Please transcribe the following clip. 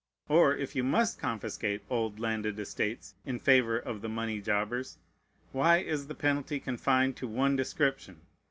Or, if you must confiscate old landed estates in favor of the money jobbers, why is the penalty confined to one description?